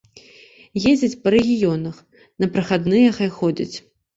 Ездзяць па рэгіёнах, на прахадныя хай ходзяць.